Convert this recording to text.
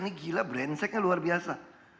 ini gila branseknya luar biasa